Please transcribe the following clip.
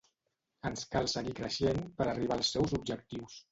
Ens cal seguir creixent per arribar als seus objectius.